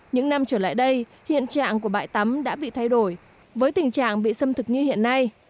những năm trở lại đây hiện trạng của bãi tắm đã bị thay đổi với tình trạng bị xâm thực như hiện nay